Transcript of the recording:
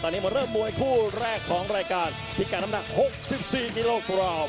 ทุกคนทุกคนจุดแรกของเราจะเป็นของวัดสินชัย๔๙กิโลกรัม